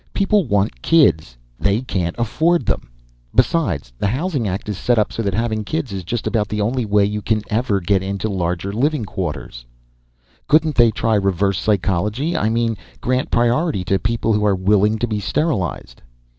People want kids. They can afford them. Besides, the Housing Act is set up so that having kids is just about the only way you can ever get into larger living quarters." "Couldn't they try reverse psychology? I mean, grant priority to people who are willing to be sterilized?"